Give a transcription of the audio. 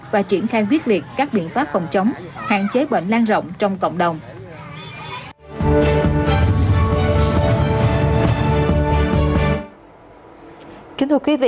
và triển khai quyết liệt các biện pháp phòng chống hạn chế bệnh lan rộng trong cộng đồng